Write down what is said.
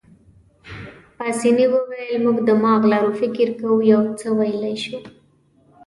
پاسیني وویل: موږ دماغ لرو، فکر کوو، یو څه ویلای شو.